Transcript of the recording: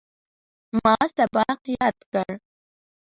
ما سبق یاد کړ.